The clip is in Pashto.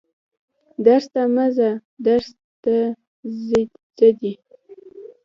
درس ته مه ځه درس ته ځه دي